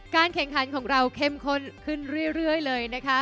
แข่งขันของเราเข้มข้นขึ้นเรื่อยเลยนะคะ